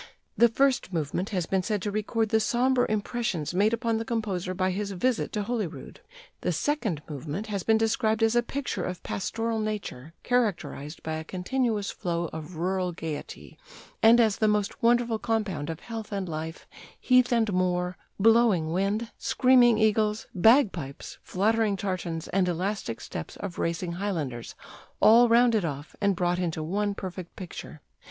The first movement has been said to record the sombre impressions made upon the composer by his visit to Holyrood. The second movement has been described as "a picture of pastoral nature, characterized by a continuous flow of rural gaiety," and as "the most wonderful compound of health and life, heath and moor, blowing wind, screaming eagles, bagpipes, fluttering tartans, and elastic steps of racing Highlanders, all rounded off and brought into one perfect picture."